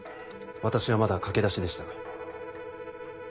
私はまだ駆け出しでしたが。